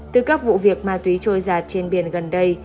từ các vụ việc ma túy trôi giạt trên biển gần đây